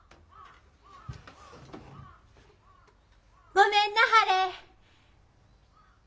ごめんなはれ。